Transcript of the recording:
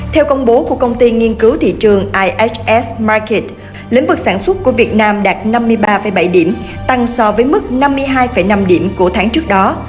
theo công bố của công ty nghiên cứu thị trường iss mike lĩnh vực sản xuất của việt nam đạt năm mươi ba bảy điểm tăng so với mức năm mươi hai năm điểm của tháng trước đó